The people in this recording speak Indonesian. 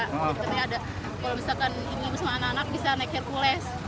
kalau misalkan ibu sama anak anak bisa naik hercules